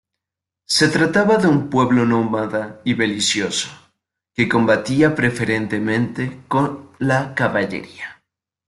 Se trataba de un pueblo nómada y belicoso, que combatía preferentemente con la caballería.